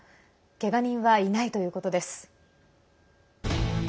けが人はいないということです。